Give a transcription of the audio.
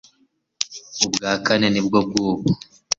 Ubwa kane ni bwo bw'ubu